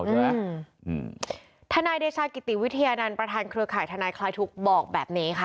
ทนายเดชากิติวิทยานันต์ประธานเครือข่ายทนายคลายทุกข์บอกแบบนี้ค่ะ